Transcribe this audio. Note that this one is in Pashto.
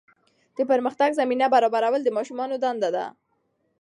د پرمختګ زمینه برابرول د ماشومانو دنده ده.